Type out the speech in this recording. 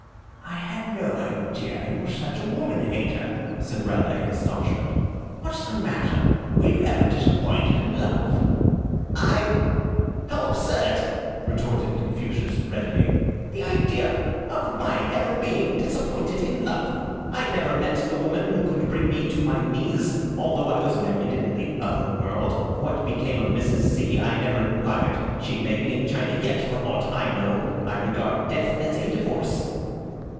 "I had no idea you were such a woman hater," said Raleigh, in astonishment. "What's the matter? Were you ever disappointed in love?" "I? How absurd!" retorted Confucius, reddening. "The idea of my ever being disappointed in love! I never met the woman who could bring me to my knees, although I was married in the other world. What became of Mrs. C. I never inquired. She may be in China yet, for aught I know. I regard death as a divorce."